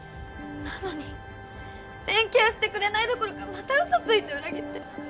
なのにメンケアしてくれないどころかまたうそついて裏切って。